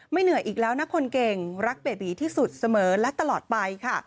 เหนื่อยอีกแล้วนะคนเก่งรักเบบีที่สุดเสมอและตลอดไปค่ะ